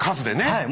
はい。